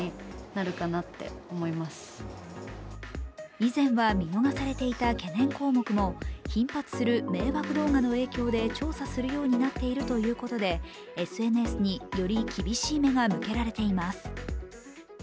以前は見逃されていた懸念項目も、頻発する迷惑動画の影響で調査するようになっているということで、ＳＮＳにより厳しい目が向けられています。